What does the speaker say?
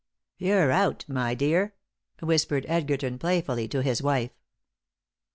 "You're out, my dear," whispered Edgerton, playfully, to his wife.